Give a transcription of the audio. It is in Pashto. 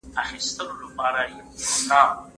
له احتکار څخه په کلکه ډډه وکړئ.